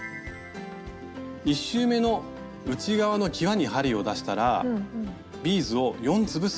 １周めの内側のきわに針を出したらビーズを４粒すくいます。